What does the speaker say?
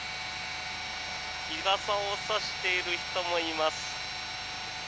日傘を差している人もいます。